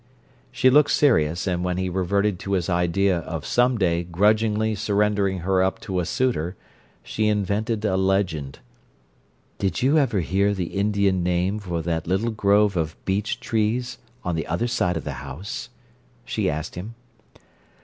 She looked serious, and when he reverted to his idea of "some day" grudgingly surrendering her up to a suitor, she invented a legend. "Did you ever hear the Indian name for that little grove of beech trees on the other side of the house?" she asked him.